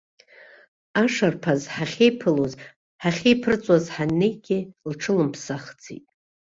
Ашарԥаз, ҳахьеиԥылоз, ҳахьеиԥырҵуаз ҳаннеигьы, лҽылмыԥсахӡеит.